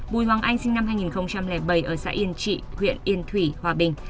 bùi hoàng anh sinh năm hai nghìn bảy ở xã yên trị huyện yên thủy hòa bình